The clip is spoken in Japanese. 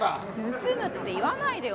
盗むって言わないでよ。